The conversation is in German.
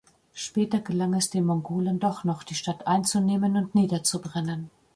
Später gelang es den Mongolen doch noch, die Stadt einzunehmen und niederzubrennen.